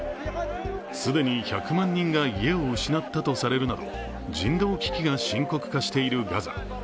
既に１００万人が家が失ったとされるなど人道危機が深刻化しているガザ。